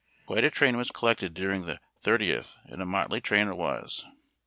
Quite a train was collected during the 30th, and a motley train it was.